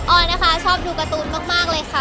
ออยนะคะชอบดูการ์ตูนมากเลยค่ะ